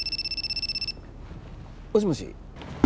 もしもし？